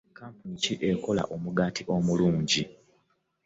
Kampuni ki ekola omugaati omulungi?